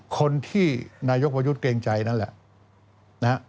คนที่นายกประยุทธ์เกรงใจนั่นแหละ